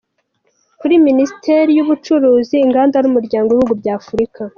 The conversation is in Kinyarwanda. Muri Minisiteri y’Ubucuruzi, Inganda n’Umuryango w’Ibihugu bya Afurika .